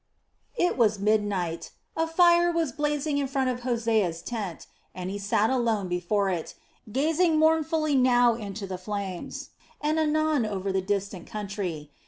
It was midnight. A fire was blazing in front of Hosea's tent, and he sat alone before it, gazing mournfully now into the flames and anon over the distant country.